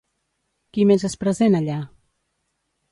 Qui més és present allà?